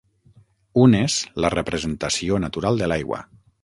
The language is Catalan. Un és la representació natural de l'aigua.